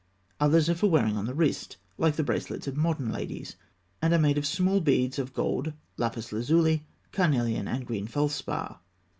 Others are for wearing on the wrist, like the bracelets of modern ladies, and are made of small beads in gold, lapis lazuli, carnelian, and green felspar.